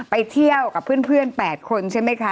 ไปเที่ยวกับเพื่อน๘คนใช่ไหมคะ